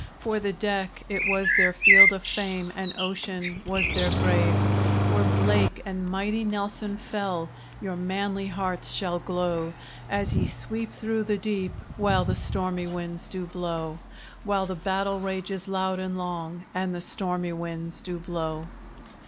For the deck it was their field of fame, And Ocean was their grave: Where Blake and mighty Nelson fell, Your manly hearts shall glow, As ye sweep through the deep, While the stormy winds do blow; While the battle rages loud and long, And the stormy winds do blow.